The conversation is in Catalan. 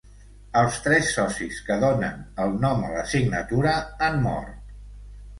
Els tres socis que donen el nom a la signatura han mort.